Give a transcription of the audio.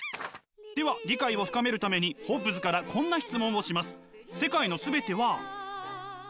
では理解を深めるためにホッブズからこんな質問をします。